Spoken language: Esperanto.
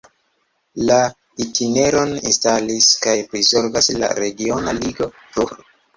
La itineron instalis kaj prizorgas la Regiona Ligo Ruhr.